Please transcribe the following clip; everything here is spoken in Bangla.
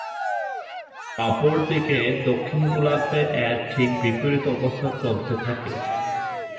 অপরদিকে দক্ষিণ গোলার্ধে এর ঠিক বিপরীত অবস্থা চলতে থাকে।